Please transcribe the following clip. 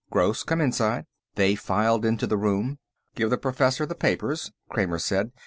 "Gross, come inside." They filed into the room. "Give the Professor the papers," Kramer said.